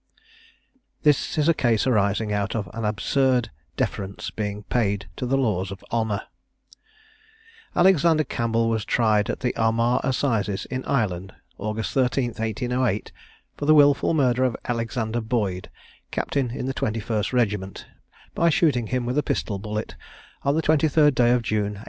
This is a case arising out of an absurd deference being paid to the laws of honour. Alexander Campbell was tried at the Armagh Assizes, in Ireland, August 13, 1808, for the wilful murder of Alexander Boyd, captain in the 21st regiment, by shooting him with a pistol bullet, on the 23rd day of June, 1807.